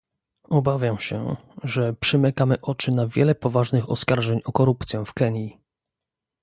Obawiam się, że przymykamy oczy na wiele poważnych oskarżeń o korupcję w Kenii